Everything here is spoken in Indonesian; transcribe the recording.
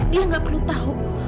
dia gak perlu tahu